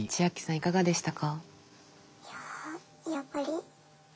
いかがでしたか？